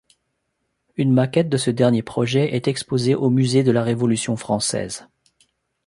Une maquette de ce dernier projet est exposée au musée de la Révolution française.